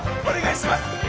お願いします！